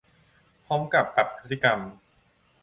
พร้อมกับปรับพฤติกรรม